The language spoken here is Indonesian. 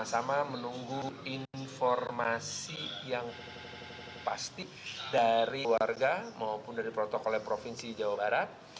sama sama menunggu informasi yang pasti dari warga maupun dari protokol provinsi jawa barat